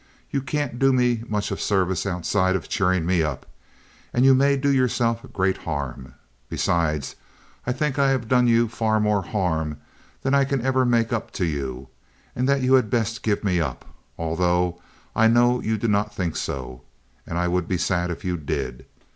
You can't do me much service outside of cheering me up, and you may do yourself great harm. Besides, I think I have done you far more harm than I can ever make up to you and that you had best give me up, although I know you do not think so, and I would be sad, if you did.